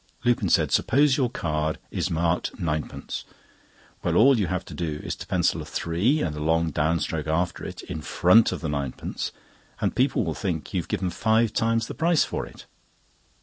Lupin said: "Suppose your card is marked 9d. Well, all you have to do is to pencil a 3—and a long down stroke after it—in front of the ninepence, and people will think you have given five times the price for it."